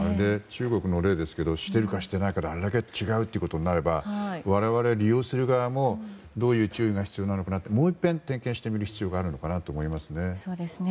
中国の例ですけどしているか、してないかであれだけ違うとなれば我々、利用する側もどういう注意が必要なのかもういっぺん点検してみる必要があると思いますね。